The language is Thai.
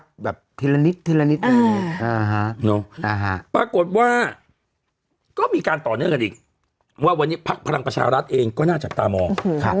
ค่อยรับทีละนิดแบบนี้ปรากฏว่าก็มีการต่อเนื้อกันอีกว่าวันนี้ภักดิ์พลังประชารัฐเองก็น่าจะตามอง